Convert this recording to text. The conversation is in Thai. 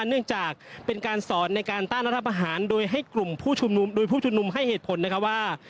เนื่องจากเป็นการสอนในการต้านรัฐประหารโดยให้กลุ่มผู้ชุมนุมโดยผู้ชุมนุมให้เหตุผลนะครับว่า